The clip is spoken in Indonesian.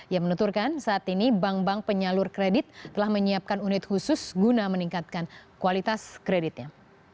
ia menuturkan saat ini bank bank penyalur kredit telah menyiapkan unit khusus guna meningkatkan kualitas kreditnya